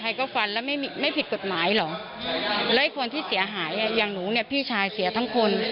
อยากหนูผู้ชายเสียทั้งคน